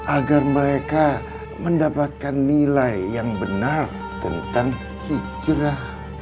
agar mereka mendapatkan nilai yang benar tentang hijrah